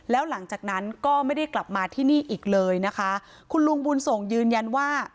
แล้วหลังจากนั้นก็ไม่ได้กลับมาที่นี่อีกเลยนะคะคุณลุงบุญส่งยืนยันว่า